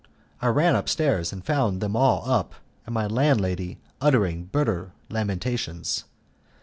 I ran upstairs, and found them all up, and my landlady uttering bitter lamentations.